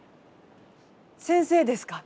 先生ですか？